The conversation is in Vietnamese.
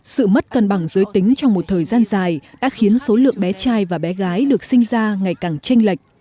sự mất cân bằng giới tính trong một thời gian dài đã khiến số lượng bé trai và bé gái được sinh ra ngày càng tranh lệch